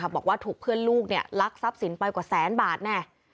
บอกว่าถูกเพื่อนลูกลักทรัพย์สินไปกว่าแสนบาทแน่